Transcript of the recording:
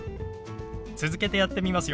続けてやってみますよ。